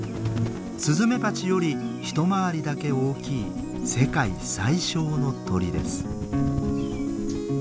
スズメバチより一回りだけ大きい世界最小の鳥です。